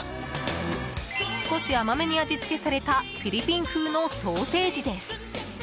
少し甘めに味付けされたフィリピン風のソーセージです。